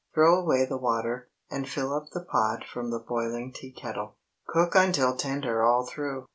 Throw away the water, and fill up the pot from the boiling tea kettle. Cook until tender all through.